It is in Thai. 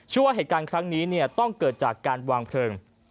ว่าเหตุการณ์ครั้งนี้ต้องเกิดจากการวางเพลิง